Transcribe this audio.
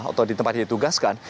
atau di tempat yang ditugaskan